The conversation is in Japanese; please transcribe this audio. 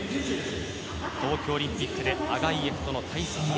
東京オリンピックでアガイェフとの対戦へ。